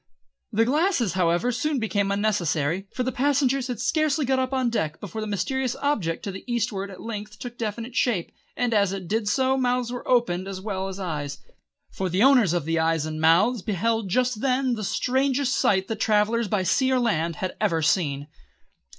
The glasses, however, soon became unnecessary, for the passengers had scarcely got up on deck before the mysterious object to the eastward at length took definite shape, and as it did so mouths were opened as well as eyes, for the owners of the eyes and mouths beheld just then the strangest sight that travellers by sea or land had ever seen.